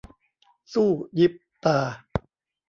สู้ยิบตา